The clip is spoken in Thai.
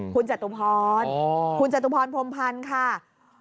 คุณจตุพรคุณจตุพรพรมพันธ์ค่ะ